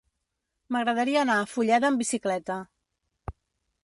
M'agradaria anar a Fulleda amb bicicleta.